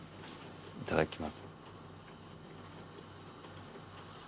いただきます。